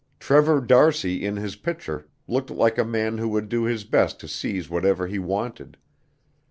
Trevor d'Arcy in his picture looked like a man who would do his best to seize whatever he wanted.